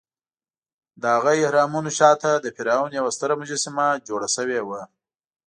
دهغه اهرامونو شاته د فرعون یوه ستره مجسمه جوړه شوې وه.